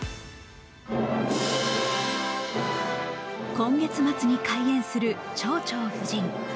今月末に開演する「蝶々夫人」